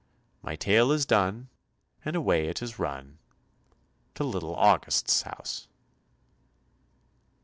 My tale is done, And away it has run To little August's house.